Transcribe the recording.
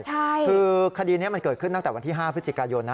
คือคดีนี้มันเกิดขึ้นตั้งแต่วันที่๕พฤศจิกายนนะ